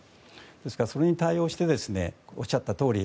ですから、それに対応しておっしゃったとおり